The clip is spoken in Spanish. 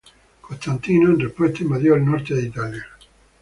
Constantino en respuesta invadió el norte de Italia.